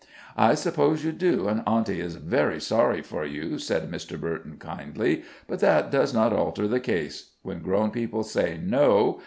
"I suppose you do, and auntie is very sorry for you," said Mr. Burton, kindly; "but that does not alter the case. When grown people say 'No!'